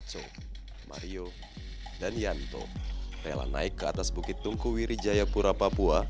so mario dan yanto rela naik ke atas bukit tungku wirijayapura papua